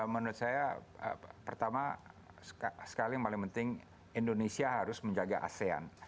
menurut saya pertama sekali yang paling penting indonesia harus menjaga asean